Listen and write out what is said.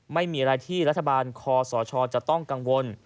ไม่มีอะไรที่รัฐบาลคอสชจะต้องกังวล